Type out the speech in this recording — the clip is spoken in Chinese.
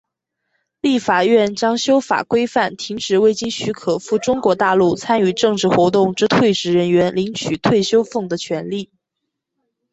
立法院将修法规范停止未经许可赴中国大陆参与政治活动之退职人员领取退休俸的权利。